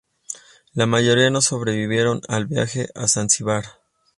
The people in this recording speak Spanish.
La mayoría no sobrevivieron al viaje a Zanzíbar.